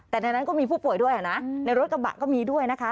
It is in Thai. แต่ในนั้นก็มีผู้ป่วยด้วยนะในรถกระบะก็มีด้วยนะคะ